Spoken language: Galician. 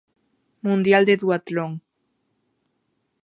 Mundial de Duatlón.